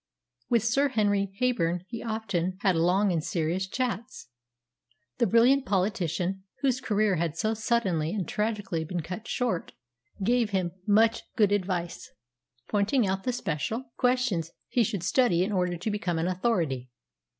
With Sir Henry Heyburn he often had long and serious chats. The brilliant politician, whose career had so suddenly and tragically been cut short, gave him much good advice, pointing out the special questions he should study in order to become an authority.